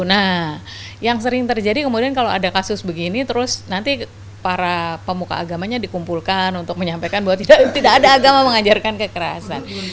nah yang sering terjadi kemudian kalau ada kasus begini terus nanti para pemuka agamanya dikumpulkan untuk menyampaikan bahwa tidak ada agama mengajarkan kekerasan